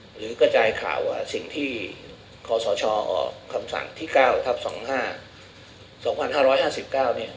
หรือก็จ่ายข่าวว่าสิ่งที่คสชอคมสเล็กที่๙ทัพ๒ในที่๕